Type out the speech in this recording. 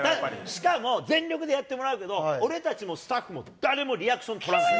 しかも、全力でやってもらうけど、俺たちもスタッフも誰もリアクション取らない。